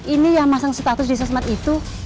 ini yang masang status di sosmed itu